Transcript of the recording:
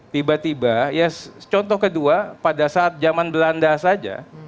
tiba tiba ya contoh kedua pada saat zaman belanda saja